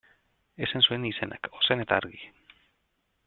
Esan zuen izenak ozen eta argi.